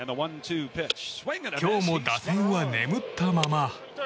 今日も打線は眠ったまま。